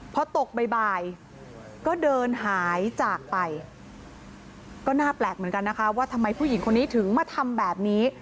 พอตกบ่ายก็เดินหายจากไปก็น่าแปลกเหมือนกันนะคะว่าทำไมผู้หญิงคนนี้ถึงมาทำแบบนี้